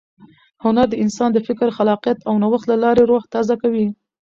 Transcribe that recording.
هنر د انسان د فکر، خلاقیت او نوښت له لارې روح تازه کوي.